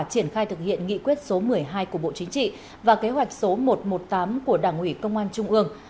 triển khai thực hiện nghị quyết số một mươi hai của bộ chính trị và kế hoạch số một trăm một mươi tám của đảng ủy công an trung ương